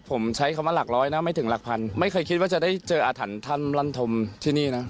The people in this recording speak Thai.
ผมใช้คำว่าหลักร้อยนะไม่ถึงหลักพันไม่เคยคิดว่าจะได้เจออาถรรพ์ท่านลั่นธมที่นี่นะ